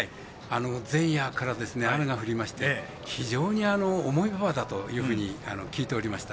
前夜から雨が降りまして非常に重い馬場だというふうに聞いておりました。